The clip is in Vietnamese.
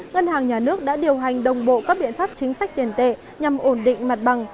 ngân hàng nhà nước đã điều hành đồng bộ các biện pháp chính sách tiền tệ nhằm ổn định mặt bằng